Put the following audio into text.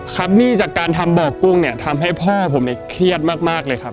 หนี้จากการทำบ่อกุ้งเนี่ยทำให้พ่อผมเนี่ยเครียดมากเลยครับ